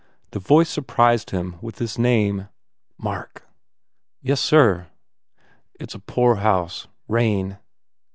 The voice surprised him with his name. "Mark." "Yessir." "It s a poor house. Rain.